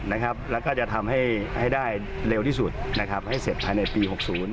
แล้วก็จะทำให้ได้เร็วที่สุดให้เสร็จภายในปี๖๐